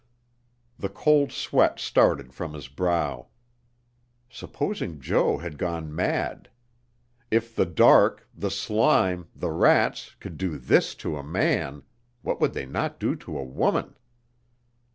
The cold sweat started from his brow. Supposing Jo had gone mad? If the dark, the slime, the rats, could do this to a man, what would they not do to a woman?